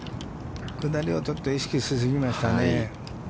下りをちょっと意識しすぎましたね。